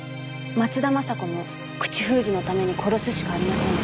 「松田雅子も口封じの為に殺すしかありませんでした」